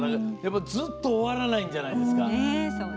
ずっと終わらないんじゃないですか。